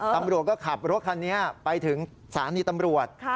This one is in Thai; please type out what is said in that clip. ตำรวจก็ขับรถคันนี้ไปถึงสถานีตำรวจ